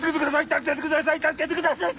助けてください